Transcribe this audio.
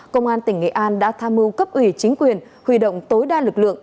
công an tỉnh nghệ an đã tham mưu cấp ủy chính quyền huy động tối đa lực lượng